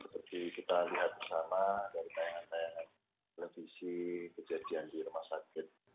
seperti kita lihat bersama dari tayangan tayangan televisi kejadian di rumah sakit